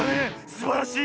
すばらしい。